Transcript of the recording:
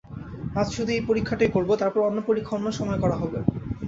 আজ শুধু এই পরীক্ষাটাই করব, তারপর অন্য পরীক্ষা অন্য সময়ে করা হবে।